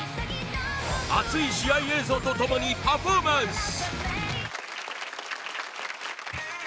熱い試合映像と共にパフォーマンス！